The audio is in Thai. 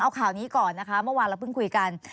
เอาข่าวนี้ก่อนนะคะเมื่อวานเราเพิ่งคุยกัน